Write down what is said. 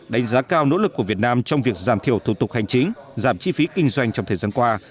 đánh giá cao nỗ lực của việt nam trong việc giảm thiểu thủ tục hành chính giảm chi phí kinh doanh trong thời gian qua